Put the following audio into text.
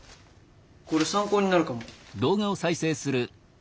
これ参考になるかも。